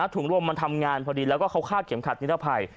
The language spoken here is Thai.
ถุงร่วมมันทำงานพอดีแล้วก็เขาฆ่าเกี่ยวขัดนิรภัย